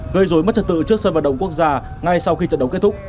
gây dối mất trật tự trước sân vận động quốc gia ngay sau khi trận đấu kết thúc